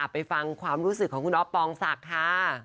ไปฟังความรู้สึกของคุณอ๊อฟปองศักดิ์ค่ะ